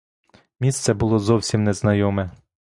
Місце було зовсім незнайоме.